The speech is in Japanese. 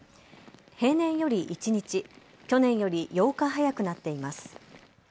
平年より１日、去年より８日早くなっています。